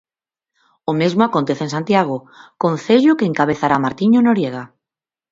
O mesmo acontece en Santiago, Concello que encabezará Martiño Noriega.